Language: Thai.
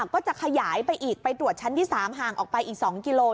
ก็จะขยายไปอีกไปตรวจชั้นที่๓ห่างออกไปอีก๒กิโล